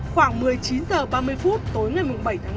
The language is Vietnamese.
khoảng một mươi chín h ba mươi phút tối ngày bảy tháng năm